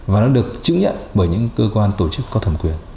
và nó được chứng nhận bởi những cơ quan tổ chức có thẩm quyền